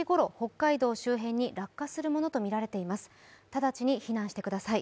直ちに避難してください